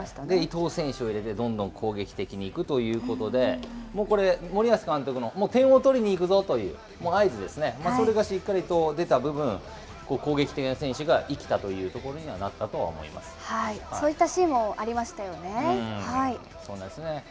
伊東選手をどんどん攻撃的にいくということで、もうこれ、森保監督の点を取りにいくぞという合図ですね、それがしっかりと出た部分、攻撃的な選手が生きたというところにはなったとは思いそういったシーンもありましそうですね。